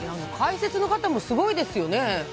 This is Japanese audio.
解説の方もすごいですよね。